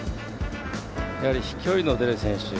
やはり飛距離の出る選手。